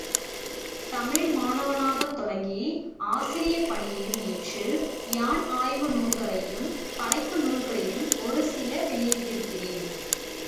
தமிழ் மாணவனாகத் தொடங்கி ஆசிரியப் பணியும் ஏற்று யான் ஆய்வு நூல்களையும் படைப்பு நூல்களையும் ஒரு சில வெளியிட்டிருக்கிறேன்.